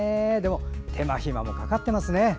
手間暇もかかっていますね。